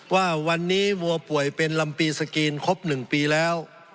ว่าวันนี้วัวป่วยเป็นลำปีสกรีนครบ๑ปีแล้ว